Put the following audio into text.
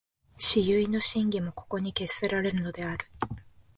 思惟の真偽もここに決せられるのである。